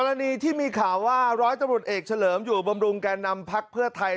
รณีที่มีข่าวว่าร้อยตำรวจเอกเฉลิมอยู่บำรุงแก่นำพักเพื่อไทย